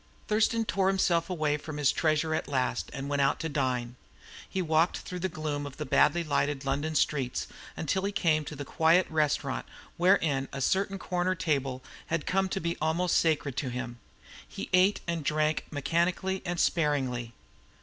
Thurston tore himself away from his treasure at last, and went out to dine. He walked through the gloom of the badly lighted London streets, until he came to the quiet restaurant wherein a certain corner had come to be almost sacred to him. He ate and drank mechanically and sparingly.